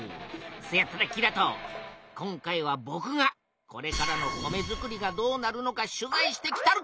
せやったらキラト今回はぼくがこれからの米づくりがどうなるのか取材してきたる！